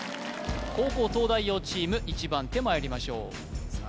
後攻東大王チーム１番手まいりましょう・さあ